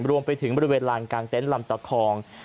รวมไปถึงบริเวณลานกลางเต็นต์ลำตะคอง